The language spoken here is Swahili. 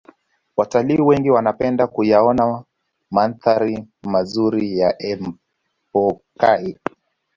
Watalii wengi wanapenda kuyaona mandhari mazuri ya empokai